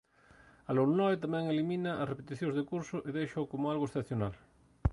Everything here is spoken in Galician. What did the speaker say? A Lomloe tamén elimina as repeticións de curso e déixao como algo excepcional.